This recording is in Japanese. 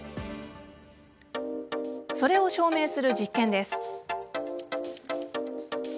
それを証明する実験です。